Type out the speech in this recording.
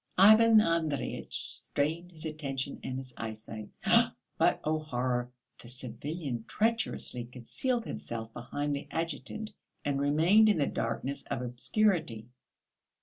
Ivan Andreyitch strained his attention and his eyesight, but oh, horror! The civilian treacherously concealed himself behind the adjutant and remained in the darkness of obscurity.